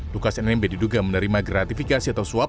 lukas nmb diduga menerima gratifikasi atau suap